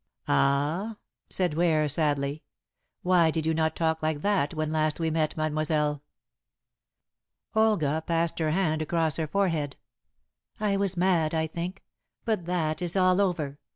"Ah," said Ware sadly, "why did you not talk like that when last we met, mademoiselle?" Olga passed her hand across her forehead. "I was mad, I think. But that is all over.